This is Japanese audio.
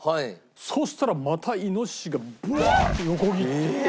そしたらまたイノシシがブワーッと横切って。